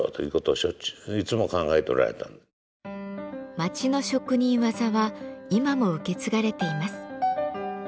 町の職人技は今も受け継がれています。